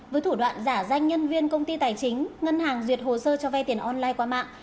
với thủ đoạn giả danh nhân viên công ty tài chính ngân hàng duyệt hồ sơ cho vay tiền online qua mạng